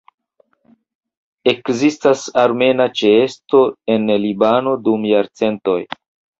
Ekzistis armena ĉeesto en Libano dum jarcentoj.